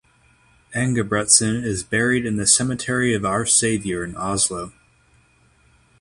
Engebretsen is buried in the Cemetery of Our Saviour in Oslo.